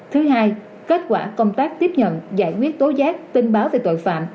thứ hai kết quả công tác tiếp nhận giải quyết tố giác tin báo về tội phạm